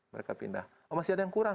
mereka pindah masih ada yang kurang